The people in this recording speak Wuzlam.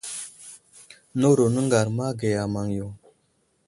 Nəwuro nəŋgar ama ge a maŋyo.